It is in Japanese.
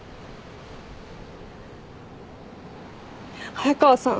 早川さん。